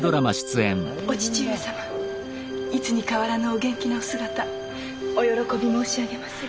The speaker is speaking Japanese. お父上様いつに変わらぬお元気なお姿お慶び申し上げまする。